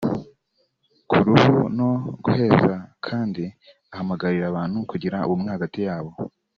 ku ruhu no guheza kandi ahamagarira abantu kugira ubumwe hagati yabo